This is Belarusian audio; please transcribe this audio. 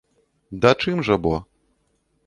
Да чым жа, бо?